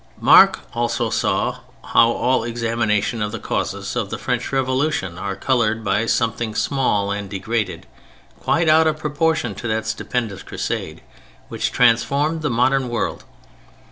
] Mark also how all examination of the causes of the French Revolution are colored by something small and degraded, quite out of proportion to that stupendous crusade which transformed the modern world.